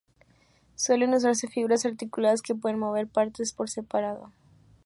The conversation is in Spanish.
Suelen usarse figuras articuladas que puedan mover partes por separado.